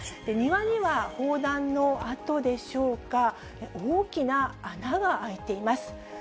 庭には砲弾の痕でしょうか、大きな穴が開いています。